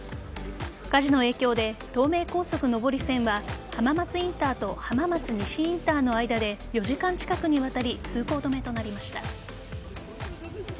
火事の影響で東名高速上り線は浜松インターと浜松西インターの間で４時間近くにわたり通行止めとなりました。